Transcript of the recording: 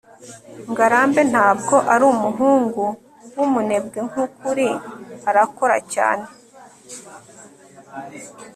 ngarambe ntabwo ari umuhungu wumunebwe. nkukuri, arakora cyane